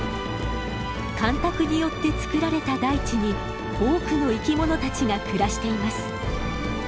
干拓によって造られた大地に多くの生き物たちが暮らしています。